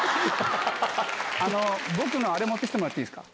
あの、僕のあれ持ってきてもらっていいですか？